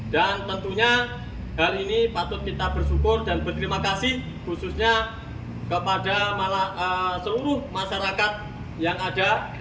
dan tentunya hal ini patut kita bersyukur dan berterima kasih khususnya kepada seluruh masyarakat yang ada